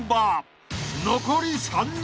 ［残り３人］